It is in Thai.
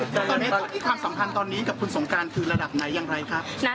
ตอนนี้ความสัมพันธ์ตอนนี้กับคุณสงการคือระดับไหนอย่างไรครับ